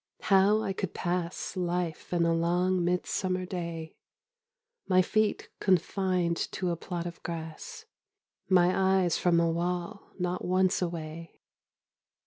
How I could pass Life in a long midsummer day, My feet confined to a plot of grass, My eyes from a wall not once away!